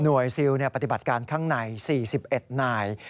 ซิลปฏิบัติการข้างใน๔๑นาย